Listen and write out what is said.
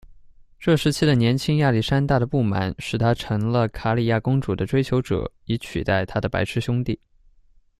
这时期的年轻亚历山大的不满使他成了卡里亚公主的追求者以取代他的白痴兄弟。